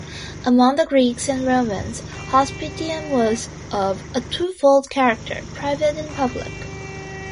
Among the Greeks and Romans, hospitium was of a twofold character: private and public.